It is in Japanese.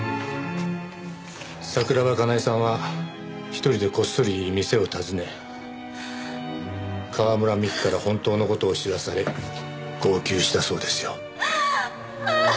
桜庭かなえさんは１人でこっそり店を訪ね川村美樹から本当の事を知らされ号泣したそうですよ。